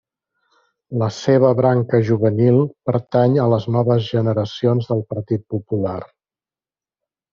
La seva branca juvenil pertany a les Noves Generacions del Partit Popular.